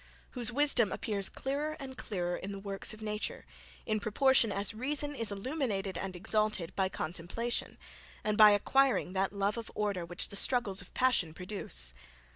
whose wisdom appears clearer and clearer in the works of nature, in proportion as reason is illuminated and exalted by contemplation, and by acquiring that love of order which the struggles of passion produce?